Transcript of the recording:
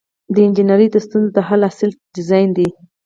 د انجنیری د ستونزو د حل اصل ډیزاین دی.